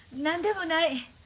何でもない。